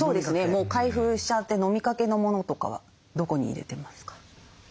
もう開封しちゃって飲みかけのものとかはどこに入れてますか？